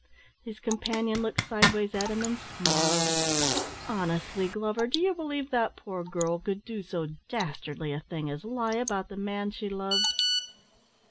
His companion looked sideways at him and smiled. "Honestly, Glover, do you believe that poor girl could do so dastardly a thing as lie about the man she loves?"